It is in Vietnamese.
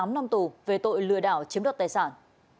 một mươi tám năm tù về tội lừa đảo chiếm đoạt tài sản